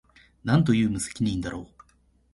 何という無責任だろう